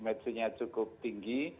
metodenya cukup tinggi